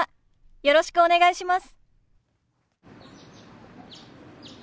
よろしくお願いします。